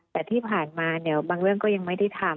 แต่ที่ผ่านมาเนี่ยบางเรื่องก็ยังไม่ได้ทำ